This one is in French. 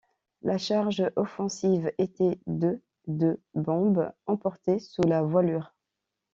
La charge offensive était de de bombes, emportées sous la voilure.